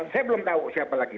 saya belum tahu siapa lagi